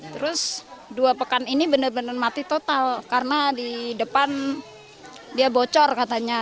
terus dua pekan ini benar benar mati total karena di depan dia bocor katanya